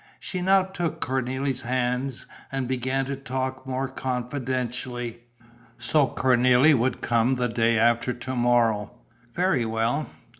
She now took Cornélie's hands and began to talk more confidentially. So Cornélie would come the day after to morrow. Very well.